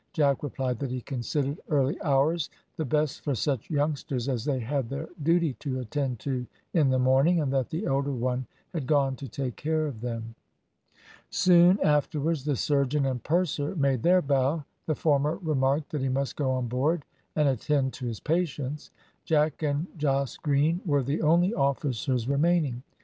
Jack replied that he considered early hours the best for such youngsters, as they had their duty to attend to in the morning, and that the elder one had gone to take care of them. Soon afterwards the surgeon and purser made their bow: the former remarked that he must go on board and attend to his patients. Jack and Jos Green were the only officers remaining.